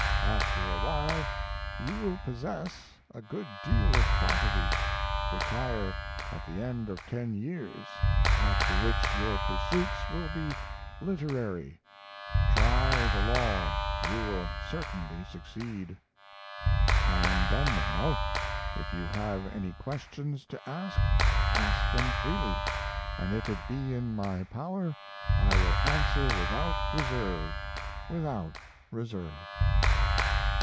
After a while you will possess a good deal of property retire at the end of ten years after which your pursuits will be literary try the law you will certainly succeed. I am done now. If you have any questions to ask ask them freely and if it be in my power, I will answer without reserve without reserve.